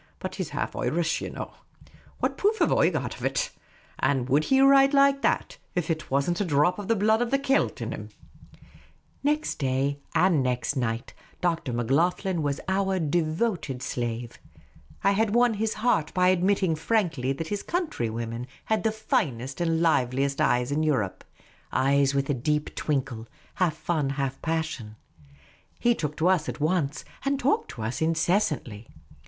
But he 's half Otrish, ye know. What proof have I got of it ? An' would he write like that if there was n't a dhrop of the blood of the Celt in him ?" Next day and next night, Dr. Macloghlen was our devoted slave. I had won his heart by admitting frankly that his countrywomen had the finest and liveliest eyes in Europe — eyes with a deep twinkle, half fun, half passion. He took to us at once, and talked to us incessantly.